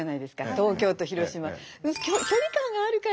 東京と広島。